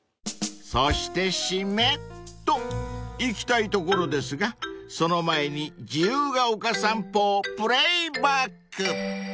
［そして締め！といきたいところですがその前に自由が丘散歩をプレーバック］